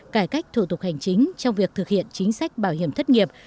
cải cách thủ tục hành chính trong việc thực hiện chính sách bảo hiểm thất nghiệp